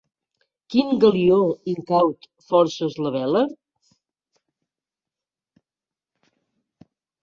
Quin galió, incaut, forces la vela?